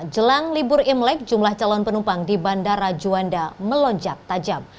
jelang libur imlek jumlah calon penumpang di bandara juanda melonjak tajam